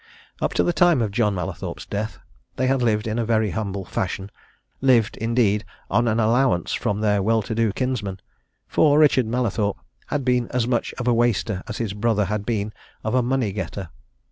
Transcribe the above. Up to the time of John Mallathorpe's death, they had lived in very humble fashion lived, indeed, on an allowance from their well to do kinsman for Richard Mallathorpe had been as much of a waster as his brother had been of a money getter.